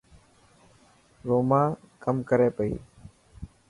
روما ڪم ڪري پئي.